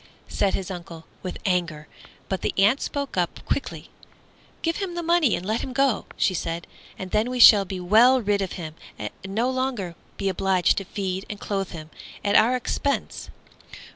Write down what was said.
said his uncle, with anger; but the aunt spoke up quickly. "Give him the money and let him go," she said, "and then we shall be well rid of him and no longer be obliged to feed and clothe him at our expense."